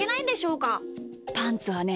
パンツはね